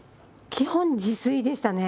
基本自炊でしたね。